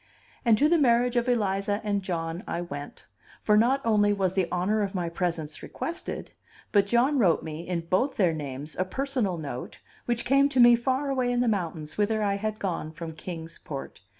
And to the marriage of Eliza and John I went; for not only was the honor of my presence requested, but John wrote me, in both their names, a personal note, which came to me far away in the mountains, whither I had gone from Kings Port.